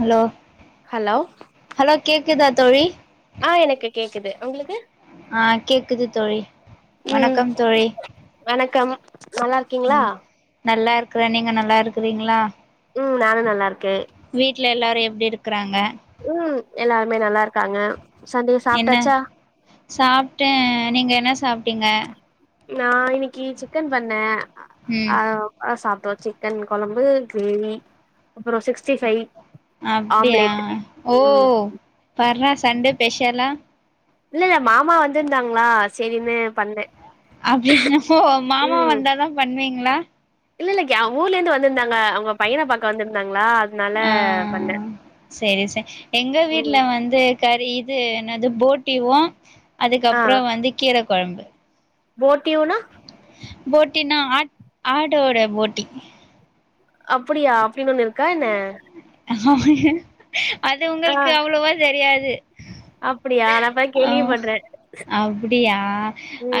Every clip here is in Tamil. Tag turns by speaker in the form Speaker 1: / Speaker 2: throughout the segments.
Speaker 1: ஹலோ
Speaker 2: ஹலோ
Speaker 1: ஹலோ கேக்குது தோழி
Speaker 2: ஆ எனக்கு கேக்குது உங்களுக்கு
Speaker 1: ஆ கேக்குது தோழி
Speaker 2: ம்
Speaker 1: வணக்கம் தோழி
Speaker 2: வணக்கம் நல்லா இருக்கீங்களா
Speaker 1: ம் நல்லா இருக்கறே நீங்க நல்லா இருக்கிறீங்களா
Speaker 2: ம் நானு நல்லா இருக்கே
Speaker 1: வீட்ல எல்லாரு எப்டி இருக்கிறாங்க
Speaker 2: ம் எல்லாருமே நல்லா இருக்காங்க சண்டே
Speaker 1: என்ன
Speaker 2: சாப்ட்டாச்சா
Speaker 1: சாப்ட்டே நீங்க என்ன சாப்பிட்டீங்க
Speaker 2: நா இன்னைக்கு சிக்கன் பண்ணேன்
Speaker 1: ம்
Speaker 2: அதா இப்ப தா சாப்ட்டோ சிக்கன் குழம்பு கிரேவி அப்றோ சிக்ஸ்
Speaker 1: அப்டியா ஓ
Speaker 2: ம்
Speaker 1: வர்ற சண்டே ஸ்பெஷலா
Speaker 2: இல்ல இல்ல மாமா வந்திருந்தாங்களா சரின்னு பண்ணே
Speaker 1: அப்படின்னப்போ மாமா
Speaker 2: ம்
Speaker 1: வந்தாதா பண்ணுவீங்களா
Speaker 2: இல்ல இல்லே ஏ ஊர்லே இருந்து வந்திருந்தாங்க அவ்ங்க பையன பாக்க வந்திருந்தாங்களா அதனால
Speaker 1: ஆ
Speaker 2: பண்ணே
Speaker 1: சரி சரி எங்க
Speaker 2: ம்
Speaker 1: வீட்ல வந்து கறி இது என்னது போட்டிவோ அதுக்கப்றோ வந்து கீர கொழம்பு
Speaker 2: போட்டிவோனா
Speaker 1: போட்டினா ஆட் ஆடோட போட்டி
Speaker 2: அப்டியா அப்படின் ஒண்ணு இருக்கா என்ன
Speaker 1: அது
Speaker 2: ஆ
Speaker 1: உங்களுக்கு அவ்வளவா தெரியாது
Speaker 2: அப்டியா நா இப்பதான்
Speaker 1: ஆமா
Speaker 2: கேள்விப்படுறேன்.
Speaker 1: அப்படியா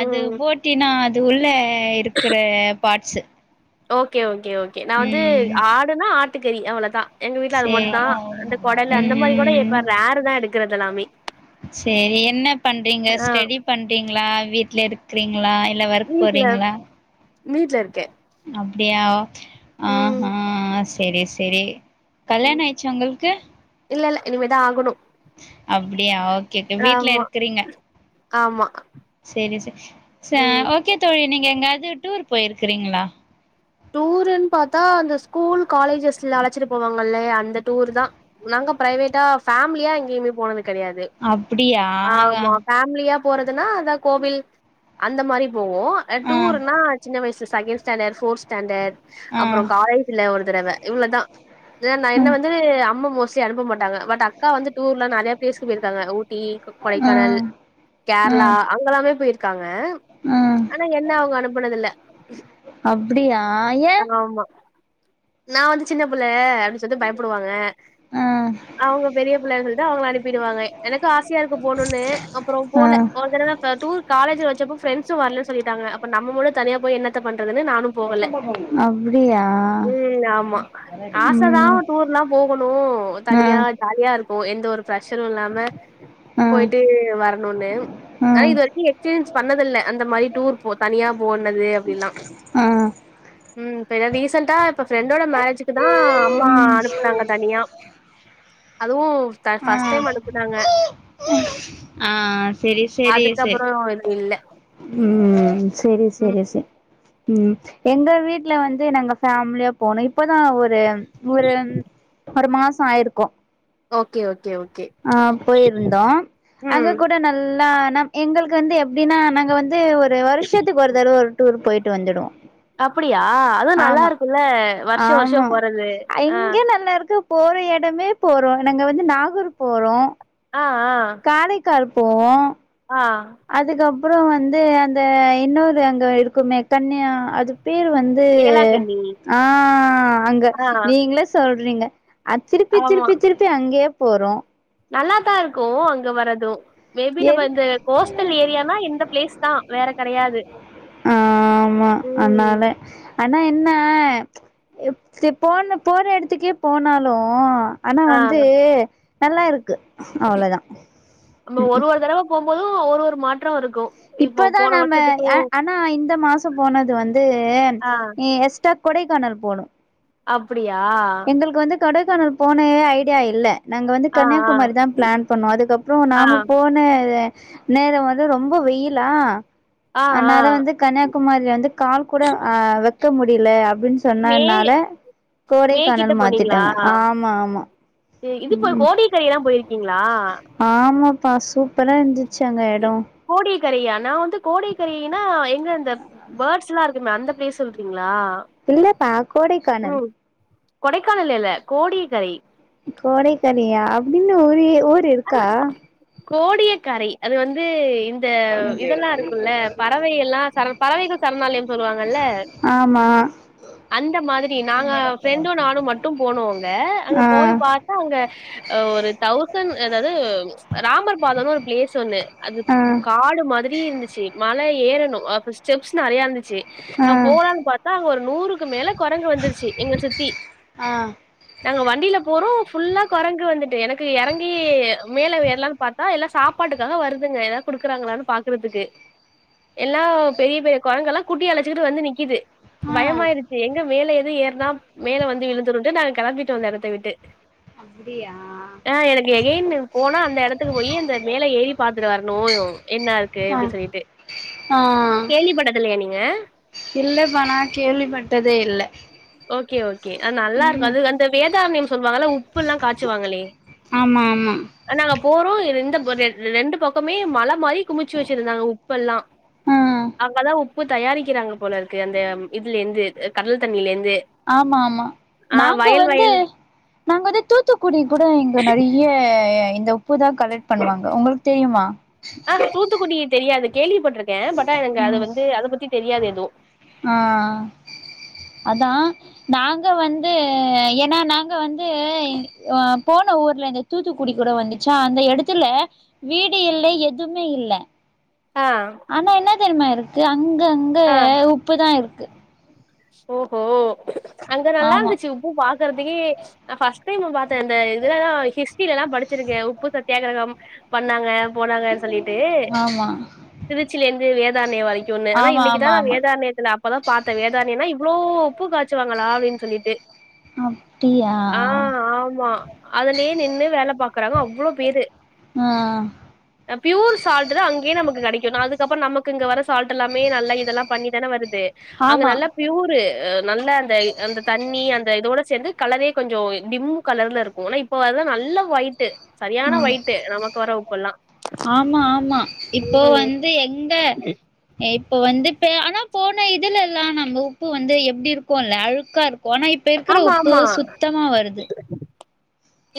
Speaker 1: அது போட் டீன்னா அது உள்ளே இருக்கிற பாார்ட்ஸ்
Speaker 2: ஓகே ஓகே ஓகே நா வந்து ஆடுன்னா ஆட்டுக்கறி அவ்ளதா எங்க வீட்ல அது
Speaker 1: சேரி
Speaker 2: மட்டுந்தா இந்த கெடல்லூ அந்த மாதிரி கூட
Speaker 1: ம்
Speaker 2: எட்ப்பாங் ரேரு தா எடுக்கறது எல்லாமே
Speaker 1: சரி என்ன பண்றீங்க
Speaker 2: ஆ
Speaker 1: ஸ்டெடி பண்றீங்களா வீட்ல இர் செய்றீங்களா இல்ல ஒர்க்
Speaker 2: வீட்ல
Speaker 1: போறீங்களா
Speaker 2: வீட்ல இருக்கே
Speaker 1: அப்டியா ஆ ஹாஸ் தேரி செரி
Speaker 2: ம்.
Speaker 1: கல்யாணோ ஆயிட்ச்சு உங்களுக்கு
Speaker 2: இல்ல இல்ல இனிமே தா ஆகனூ
Speaker 1: அப்படியா அவ்
Speaker 2: ஆமா ஆமா
Speaker 1: செரி சொ சொ
Speaker 2: ம்.
Speaker 1: ஓகே தோழி நீங்க எங்காயாச்சூ டூர் போயிருக்கறீங்களா
Speaker 2: டூருன்னு பார்த்தா அந்த ஸ்கூல் காலேஜஸ்ல அழைச்சிட்டு போவாங்கல்லியா அந்த டூர் தா நாங்க பிரைவேட்டா ஃபேமிலியா எங்கேயுமே போனது கிடையாது
Speaker 1: அப்படியா ஆக
Speaker 2: ஃபேமிலியா போறதுனா அத கோவில் அந்த மாதிரி போவோ அ
Speaker 1: ஆ
Speaker 2: டூர்ன்னா சின்ன வயசுல செகண்ட் ஸ்டாண்டர்ட் ஃபோர்த் ஸ்டாண்டர்ட்
Speaker 1: ஆ
Speaker 2: அப்புறோ காலேஜ்ல ஒரு தடவ இவ்ளோதா இதூலா நா என்ன வந்து வந்து அம்மா மோஸ்ட்லி அனுப்ப மாட்டாங்க பட் அக்கா வந்து டூர்ல நெறய பிளேசுக்கு போயிருக்காங்க ஊட்டி கொ கொடைக்கானல்
Speaker 1: ஆ
Speaker 2: கேர்ளா அங்கல்லாமே போயிருக் காங்க
Speaker 1: ஆ
Speaker 2: ஆனா என்ன அவங்க அனுப்பனது இல்ல
Speaker 1: அப்டியா ஏன்
Speaker 2: ஆமா நா வந்து சின்ன பிள்ள அப்டின்னு சொல்லி பயப்படுவாங்க
Speaker 1: அ
Speaker 2: அவங்க பெரிய புள்ளைங்கிறத் அவங்க அனுப்பிடுவாங்க எனக்கு ஆசியாருக்கூ போணுன்னு அப்புறோ
Speaker 1: ஆ
Speaker 2: போல்ல ஓர் தடதா க டூர் காலேஜ் வெச்சப்ப பிரண்ட்ஸும் வரலேன்னு சொல்லிட்டாங்க அப்ப நம்பமட்டூ தனிய போய் என்னத்த பண்றதுன்னு நானூ போகல
Speaker 1: அப்டியா
Speaker 2: ம் ஆமா அத் ஆச தா
Speaker 1: ம்
Speaker 2: டூர்லா போகனோ
Speaker 1: ஆ
Speaker 2: தனியா ஜாலியா இருக்கோ எந்த ஒரு பிர்ஷரும் இல்லாம
Speaker 1: ஆ
Speaker 2: போயிட்டு வர்ணுன்னு
Speaker 1: ஆ
Speaker 2: நா இது வரைக்கூ எக்ஸ்பீரியன்ஸ் பண்ணத் இல்ல அந்த மாரி டூர் போ தனியா போனது அப்பிடில்லா
Speaker 1: ஆஹ்
Speaker 2: ம் இப்ப ஏ ரீசண்டா இப்ப ஃப்ரெண்டோட மேரேஜ்கக்கு தா அம்மா
Speaker 1: ம்
Speaker 2: அனுப்புனாங்க தனியா அதுவூ த
Speaker 1: ஆ
Speaker 2: ஃபர்ஸ்ட் டைம் அனுப்புனாங்க
Speaker 1: ஆ செரி செரி செ
Speaker 2: அதுக்கப்புறோ எதுவு இல்ல
Speaker 1: ம் செரி
Speaker 2: ம்
Speaker 1: செரி செ ம் எங்க வீட்ல வந்து நாங்க ஃபேமிலியா போனோ இப்பதா ஒரு ஒரு ஒரு மாசோ ஆயிருக்கோ
Speaker 2: ஓகே ஓகே ஓகே
Speaker 1: ஆ போயிருந்தோ அங்க
Speaker 2: ம்
Speaker 1: கூட ந ஃபுல்லா ஆனா எங்களுக்கு வந்து எப்டின்னா நாங்க வந்து ஒர் ஒரு வருஷோத்துக்கு ஒரு தடவ ஒரு டூர் போயிட்டு வந்துடுவோ
Speaker 2: அப்படியா அதுவூ நல்லா
Speaker 1: ஆமா
Speaker 2: இருக்கூல்ல
Speaker 1: ஆமா ஆயிங்க நல்லா இருக்குப் போற எடமே போறோ நாங்க வந்து நாகூர் போறோ
Speaker 2: ஆ ஆ
Speaker 1: காரைக்கால் போவோ
Speaker 2: ஆ
Speaker 1: அதுக்கப்றோ வந்து அந்த இன்னொரு அங்க இருக்குமே கன்னயா அது பேர் வந் து
Speaker 2: வேளாங்கண்ணி
Speaker 1: ஆ அங்க
Speaker 2: ஆ
Speaker 1: நீங்களே சொல்றீங்க ஆ திருப்பி
Speaker 2: ஆமா
Speaker 1: திருப்பி திருப்பி அங்கேயே போறோ
Speaker 2: நல்லாதா இருக்கு அங்க வரது மேபி நம்ம
Speaker 1: என்
Speaker 2: இந்த கோஸ்டல் ஏரியானா இந்தந்த பிளேஸ் தா வேற கெடையாது
Speaker 1: ஆமா
Speaker 2: ம்
Speaker 1: அதனால ஆனா என்ன போன போன எடத்துக்கே போனாலு ஆனா
Speaker 2: ஆ
Speaker 1: வந்து நல்லா இருக்கு அவ்ளோதா
Speaker 2: நம்ம ஒரு ஒரு தடவ போம்போது ஒரு ஒரு மாற்றம் இருக்கு இப்போ
Speaker 1: இப்பதா
Speaker 2: போன
Speaker 1: நம்ம
Speaker 2: வருஷத்துக்கு
Speaker 1: ஆனா இந்த மாச போனது வந்து
Speaker 2: ஆ
Speaker 1: எஸ் கொடைக்கானல் போனோ
Speaker 2: அப்பிடியா
Speaker 1: எங்களுக்கு வந்து கொடைக்கானல் போன ஐடியா இல்ல நாங்க வந்து
Speaker 2: ஆ ஆ
Speaker 1: கன்னியாகுமாரி தா பிளான் பண்ணோ அதுக்கப்
Speaker 2: ஆ
Speaker 1: நாம போன நேர வந்து ரொம்ப வெயிலா
Speaker 2: ஆ ஆ
Speaker 1: அதனால வந்து கன்னியாகுமாரில வந்து கால் கூட ஆ வைக்க முடில அப்டின்னு
Speaker 2: மே
Speaker 1: சொன்னனால
Speaker 2: மே கிட்ட
Speaker 1: கோடைக்கானல்
Speaker 2: போனீங்களா
Speaker 1: மாத்திட்டாங்க ஆமா ஆமா
Speaker 2: இது இப்ப கோடைக்கரை எல்லா போயிருக்கீங்களா
Speaker 1: ஆமாப்பா சூப்பரா இருந்துச்சு அங்க எடோ
Speaker 2: கோடைக்கரை நா வந்து கோடைக்கரைனா எங்க இந்த பேர்ட்ஸ் எல்லா இரு அந்த பிளேஸ் சொல்றீங்களா
Speaker 1: இல்லப்பா கோடைக்கால்
Speaker 2: ம் கொடைக்கானல் இல்ல கோடைக்கரை
Speaker 1: கோடைக்கறியா அப்டின்னு ஒரு ஒரு
Speaker 2: கோடியக்கரை அது வந்து இந்த இதெல்லா இருக்கும்ல்ல பறவை எல்லா சர பறவைகள் சரணாலயம் சொல்லுவாங்கல்ல
Speaker 1: ஆமா
Speaker 2: அந்த மாதிரி நாங்க ஃப்ரெண்டு நானு மட்டு போனோ அங்க அங்க
Speaker 1: ஆ
Speaker 2: போய் பா அங்க ஒரு தவுசன் அதாவது ராமர் பாதம்ன்னு ஒரு பிளேஸ் உண்டு அது
Speaker 1: ஆ
Speaker 2: காடு மாதிரி இருந்துச்சு மல ஏறணு அப்றோ ஸ்டெப்ஸ் நெறையா இருந்துச்சு நா
Speaker 1: ஆ
Speaker 2: போலான்னு பாத்தா அங்க ஒரு நூறுக்கு மேல கொரங்கு வந்துருச்சு எங்கள சுத்தி
Speaker 1: ஆ
Speaker 2: நாங்க வண்டியில போறோ ஃபுல்லா கொரங்கு வந்துட்டு எனக்கு எறங் மேலே ஏறலான்னு பாத்தா எல்லா சாப்பாட்டுக்காக வருதுங்க ஏதது குடுக்குறாங்களான்னு பாக்குறதுக்கு எல்லா பெரிய பெரிய கொரங்கு எல்லா குட்டி அழச்சிக்கிட்டு வந்து நிக்கிது
Speaker 1: ஆ
Speaker 2: பயமா இருக்கு எங்க மேல எது ஏறனா மேல வந்து விழுந்துருட்டு நாங்க கெளம்பிட்டு வந்த எடத்த விட்டு
Speaker 1: அப்பிடியா
Speaker 2: ஆ எனக்கு எகைன் போனா அந்த எடத்துக்கு போய் அந்த மேல ஏறி பாத்துட்டு வரணு என்ன இருக்கு
Speaker 1: ஆ
Speaker 2: அப்டின்னு சொல்லிட்டு
Speaker 1: ஆ
Speaker 2: கேள்வி பட்டதுல்லயா நீங்க
Speaker 1: இல்லப்பா நா கேள்விப்பட்டதே இல்ல
Speaker 2: ஓகே ஓகே அது நல்லா இருக்கு
Speaker 1: ம்
Speaker 2: அது அந்த வேதாலம் நேம் சொல்லுவாங்கல்ல உப்புல்லா காச்சுவாங்களே
Speaker 1: ஆமா ஆமா
Speaker 2: நாங்க போறோ இந்த ரெண்டு பக்கமே பல் மாரி குமிச்சு வெச்சிருந்தாங்க உப்பெல்லா
Speaker 1: ம்
Speaker 2: அங்கதா உப் ப்பூ தயாரிக்கிறாங்க போல இருக்கு அந்த இதுல இருந்து கடல் தண்ணில இருந்து
Speaker 1: ஆமா ஆமா நாங்க வந்து நாங்க வந்து தூத்துக்குடி கூட இங்க நெறைய இந்த உப்பு தா கலெக்ட் பண்ணுவாங்க உங்களுக்கு தெரியுமா
Speaker 2: ஆ தூத்துக்குடிய தெரியாது கேள்விபட்டிருக்கே பட்டா எனக்கு அது வந்து அத பத்தி தெரியாது எதுவு
Speaker 1: ஆ அதா நாங்க வந்து ஏனா நாங்க வந்து அ போன ஊர்ல இந்த தூத்துக்குடி கூட வந்துச்சா அந்த எடத்துல வீடு இல்லை எதுமே இல்ல
Speaker 2: ஆ
Speaker 1: ஆனா என்ன தெரிமா இருக்கு அங்க அங்க
Speaker 2: ஆ
Speaker 1: உப்பு தா இருக்கு
Speaker 2: ஓஹோ அங்க நல்லா
Speaker 1: ஆமா
Speaker 2: இருந்துச்சு உப்பு பாக்கறதுக்கே நா ஃபர்ஸ்ட் டைமு பாத்தே அந்த இதுலதா ஹிஸ்ட்ரியில எல்லா படிச்சிருக்கே உப்பு சத்தியாகிரகம் பண்ணாங்க போனாங்கன் சொல்லிட்டு
Speaker 1: ஆமா
Speaker 2: திருச்சில இருந்து வேதார்ணிய வரைக்குன்னு ஆனா
Speaker 1: ஆமா
Speaker 2: இன்னை
Speaker 1: ஆமா ஆமா
Speaker 2: தா நேத்து நா அப்பதா பாத்தே வேதார்ணியனா இவ்ளோ உப்பு காச்சுவாங்களா அப்டின்னு சொல்லிட்டு
Speaker 1: அப்டியா
Speaker 2: ஆ ஆமா அதுலயே நின்னு வேல பாக்குறாங்க அவ்ளோ பேரு
Speaker 1: ஆ
Speaker 2: பியூர் சால்ட் தா அங்கேயே நமக்கு கிடைக்கு அதுக்கப்புற நமக்கு இங்க வர சால்ட் எல்லாமே நல்லா இது எல்லா பண்ணி தானே வருது அங்க
Speaker 1: ஆமா
Speaker 2: நல்லா பியூரு நல்ல அந்த அந்த தண்ணி அந்த இதோட சேந்து கலரே கொஞ்சோ டிம் கலர்ல இருக்கு ஆனா இப்ப வர நல்ல ஒயிட்டு சரியான
Speaker 1: ம்
Speaker 2: ஒயிட்டு நமக்கு வர உப்பல்லா
Speaker 1: ஆமா ஆமா இப்போ வந்து எந்த இப்ப வந்துட்டு ஆனா போன இதுல எல்லா நம்ம உப்பு வந்து எப்டி இருக்குல அழுக்கா இரு போனா இப்ப இருக்கிற
Speaker 2: ஆமா
Speaker 1: உப்பு
Speaker 2: ஆமா
Speaker 1: சுத்தமா வருது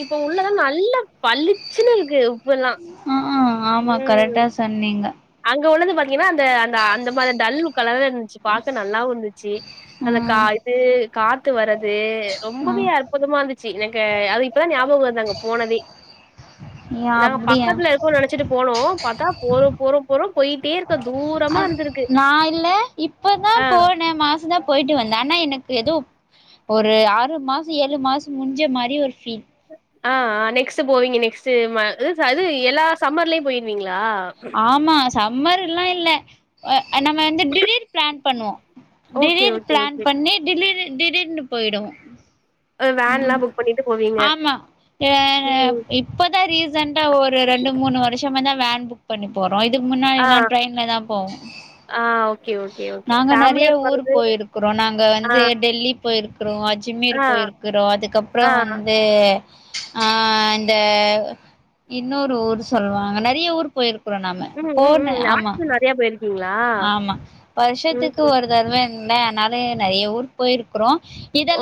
Speaker 2: இப்ப உள்ளதா நல்லா பழிச்சுன்னு இருக்கு உப்பு
Speaker 1: ஆ ஆ ஆமா கரெக்டா சொன்னீங்க
Speaker 2: அங்க உள்ளது பாத்தீங்கன்னா அந்த அந்த அந்த மாரி டல் கலர்ல இருந்துச்சு பாக்க நல்லாவு இருந்துச்சி
Speaker 1: ஆ
Speaker 2: அந்த கா இது காத்து வர்றது
Speaker 1: ஆ
Speaker 2: ரொம்பவே அற்புதமா இருந்து ச்சு எனக்கு அது இப்பதா ஞாபக அங்க போனதே
Speaker 1: ஏ
Speaker 2: நாங்க
Speaker 1: அப்டியா
Speaker 2: பக்கத்துல இரு க்கு நெனச்சிட்டு போனோ பாத்தா போறோ போறோ போறோ போயிட்டே இரு
Speaker 1: அ நா இலல இப்பதா
Speaker 2: ஆ
Speaker 1: போனே மாசந்தா போயிட்டு வந்தே ஆனா எனக்கு ஏதோ ஒரு ஆறு மாச ஏழு மாச முடிஞ்ச மாதிரி ஒரு ஃபீல்
Speaker 2: ஆ ஆ நெக்ஸ்ட்டு போவீங்க நெக்ஸ்ட்டு ம அது எல்லா சம்மர்லயு போயிருவீங்களா
Speaker 1: ஆமா சம்மர் எல்லா இல்ல அ நம்ம வந்து திடீர் பிளான் பண்ணுவோ
Speaker 2: ஓகே
Speaker 1: திடீர்
Speaker 2: ஓகே
Speaker 1: பிளான்
Speaker 2: ஓகே
Speaker 1: பண்ணி திடீர் திடீர்னு போயிடுவோ
Speaker 2: அ வேன்லா புக் பண்ணிட்டு போவீங்க
Speaker 1: ஆமா அ
Speaker 2: ம்
Speaker 1: இப்பதா ரீசன்டா ஒரு ரெண்டு மூணு வருஷமா தா வேன் புக் பண்ணி போறோ இதுக்கு முன்னாடி
Speaker 2: ஆ
Speaker 1: எல்லா டிரேயின்ல தான் போவோ
Speaker 2: ஆ ஓகே ஓகே ஓகே
Speaker 1: நாங்க நெறைய
Speaker 2: ஃபேமிலியா
Speaker 1: ஊர்
Speaker 2: போறது
Speaker 1: போயிருக்கிறோ நாங்க
Speaker 2: ஆ
Speaker 1: வந்து டெல்லி போயிருக்கறோ அஜ்மீர்
Speaker 2: ஆ
Speaker 1: போயிருக்கிறோ அதுக்கப்புற
Speaker 2: ஆ
Speaker 1: வந்து ஆ இந்த இன்னொரு ஊர் சொல்லுவாங்க நெறைய ஊர் போயிருக் க்குறோ நாம போனஆமா
Speaker 2: ஃப்ரீயா போயிருக்
Speaker 1: ஆமா வருஷத்துக்கு
Speaker 2: ம்.
Speaker 1: ஒரு தருவே இல் அதனால நெறைய ஊர் போயிருக்கிறோ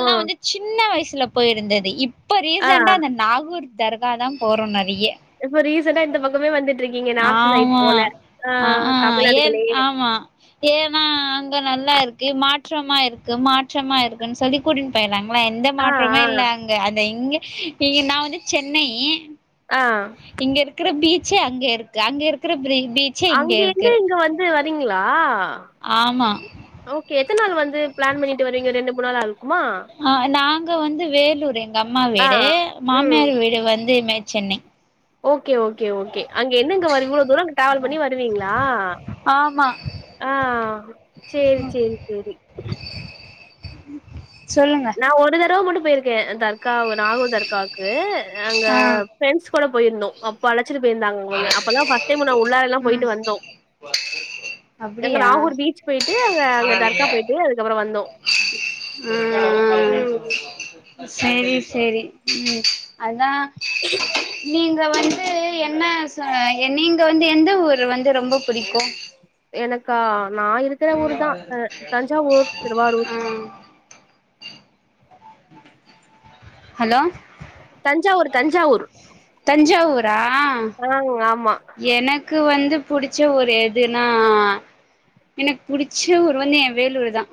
Speaker 2: ஓ!
Speaker 1: வந்து சின்ன வய்சுல போயிருந்தது இப்ப
Speaker 2: ஆ.
Speaker 1: ரீசண்டா அந்த நாகூர் தர்கா தா போறோ நறிய
Speaker 2: இப்ப ரீசண்டா இந்த பக்கமே வந்துட்ருக்கீங்க நார்த்து சைட்
Speaker 1: ஆமா
Speaker 2: போல ஆ தமிழ்நாடுகளயே
Speaker 1: அமா ஏன்னா அங்க நல்லா இருக்கு மாற்றமா இருக்கு மாற்றமா இருக்குன் சொல்லி கூட்டின் போய்ராங்ளே எந்த
Speaker 2: ஆ,
Speaker 1: மாற்றமே
Speaker 2: ஆ,
Speaker 1: இல்ல அங்க அந்த இங்க இங்க நா வந்து சென்னை
Speaker 2: ஆ
Speaker 1: இங்கே இருக்குற பீச்சே அங்கே இருக்கு அங்கே இருக்குற ப்ரி பீட்
Speaker 2: அங்கேந்து இங்க வந்து வரீங்ளா
Speaker 1: ஆமா
Speaker 2: ஓகே எத்தன் நாள் வந்து ப்ளான் பண்ணிட்டு வரீங்க ரெண்டு மூணாலால்க்குமா
Speaker 1: அ நாங்க வந்து வேலூரு எங்க அம்மா
Speaker 2: ஆ.
Speaker 1: வீடு
Speaker 2: ம்.
Speaker 1: மாம்னார் வீடு வந்து மே சென்னை
Speaker 2: ஓகே ஓகே ஓகே அங்க என்னங்க வர் இவ்ளோ தூரோ அங்க டாவல் பண்ணி வருவீங்ளா
Speaker 1: ஆமா
Speaker 2: ஆ ச்சேரி ச்சேரி செரி
Speaker 1: சொல்லுங்க
Speaker 2: நா ஒரு தடவ மட்டு போய்ருக்கே தர்காவு நாஹு தர்காக்கு
Speaker 1: ஆ
Speaker 2: அங்கப் ஃப்ரெண்ஸ் கூட போயிர்ந்தோ அப்ப அழச்சிட்டு போய்ந்தாங் அவங்க அப்பதா ஃபஸ்ட் டைம் நா உள்ளாலல்லா
Speaker 1: ம்
Speaker 2: போய்ட்டு வந்தோ தங்க
Speaker 1: அப்டியா
Speaker 2: நாகூர் பீச் போய்ட்டு அங்க அங்க தர்கா போய்ட்டு அதுக்கப்பறோ வந்தோ
Speaker 1: ம்ம்
Speaker 2: ம்
Speaker 1: சரி சரி ம் அதா
Speaker 2: இ
Speaker 1: நீங்க வந்து என்ன சொஅ என்நீங்க வந்து எந்த ஊரு வந்து ரொம்ப புடிக்கு
Speaker 2: எனக்கா நா இருக்குற ஊர் தா ஆ தஞ்சாவூர் திருவாரூர்
Speaker 1: ஆ ஹலோ
Speaker 2: தஞ்சாவூர் தஞ்சாவூர்
Speaker 1: தஞ்சாவூரா
Speaker 2: ஆ ஆமா
Speaker 1: எனக் க்கு வந்து புடிச்ச ஒரு எதுனா எனக் புடிச்ச ஊர் வந்து எ வேலூரு தா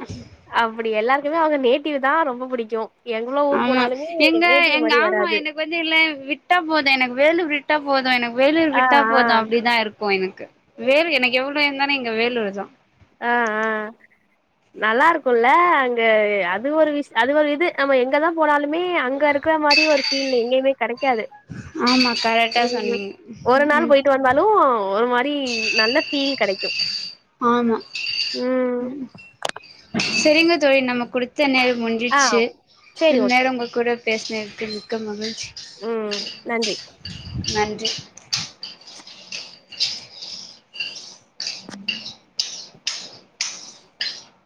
Speaker 2: அப்படி எல்லார்க்குமே அவ்ங்க நேட்டிவ் தா ரொம்ப பிடிக்கு எங்ளோ ஊர் போனாலுமே நேட்டிவ் மாரி வராது
Speaker 1: வந்தில்ல விட்டா போது எனக் வேலூரிட் ட்டா போது எனக் வேலூர்
Speaker 2: ஆ
Speaker 1: விட்டா
Speaker 2: ஆ
Speaker 1: போது அப்டிதா இருக்கு எனுக்கு வேல் எனக்கு எவ்ளோ இருந்தானா இங்க வேலூர் தா
Speaker 2: ஆ ஆ நல்ல்ருக்குல்ல அங்க அது ஒரு விஷ் அது ஒரு இது ஆமா எங்கதா போனாலுமே அங்க இருக்ற மாரி ஒரு ஃபீல் எங்யுமே கடைக்காது
Speaker 1: ஆமா கரக்ட்டா சொன்னிங் உஉ
Speaker 2: ந்தாலு ஒரு மாரி நல்ல ஃபீல் கடைக்யு
Speaker 1: ஆமா ம் செரிங்க தோழி நம்ம குடுத்த நேர முன்
Speaker 2: ஆ
Speaker 1: கிட்ச்சு இ
Speaker 2: சேரி
Speaker 1: நேரம்
Speaker 2: ஓகே
Speaker 1: உங்க கூட பேசினக்கு மிக்க மகிழ்ச்சி
Speaker 2: ம் நன்றி
Speaker 1: நன்றி